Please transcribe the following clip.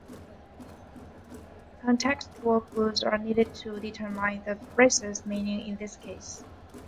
Contextual clues are needed to determine the precise meaning in this case.